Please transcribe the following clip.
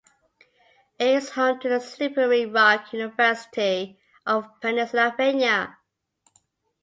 It is home to the Slippery Rock University of Pennsylvania.